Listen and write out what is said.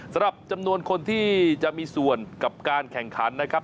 สำหรับจำนวนคนที่จะมีส่วนกับการแข่งขันนะครับ